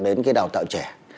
đến cái đào tạo trẻ